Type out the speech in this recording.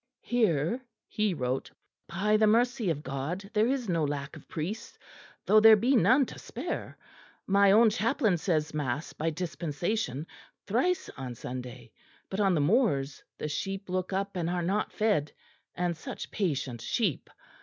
"Here," he wrote, "by the mercy of God there is no lack of priests, though there be none to spare; my own chaplain says mass by dispensation thrice on Sunday; but on the moors the sheep look up and are not fed; and such patient sheep!